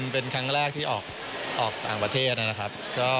เป็นครั้งแรกที่ออกต่างประเทศนะครับ